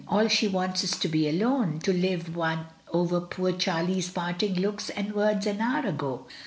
All she wants is to be alone, to live over poor Charlie's parting looks and words an hour ago.